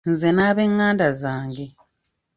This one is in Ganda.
Nze n'abenganda zange.